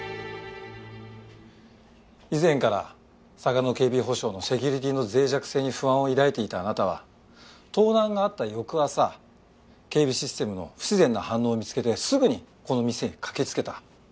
以前からサガノ警備保障のセキュリティーの脆弱性に不安を抱いていたあなたは盗難があった翌朝警備システムの不自然な反応を見つけてすぐにこの店に駆けつけた。